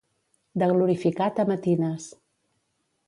De glorificat a matines.